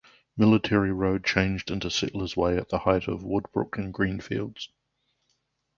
Military Road changed into Settlers Way at the height of Woodbrook and Greenfields.